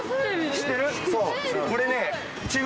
知ってる？